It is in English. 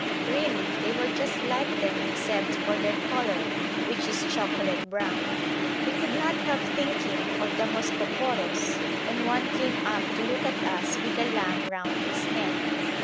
Really, they were just like them except for their colour, which is chocolate brown. We could not help thinking of the 'Moskophoros' when one came up to look at us with a lamb round his neck.